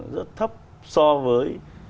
rất thấp so với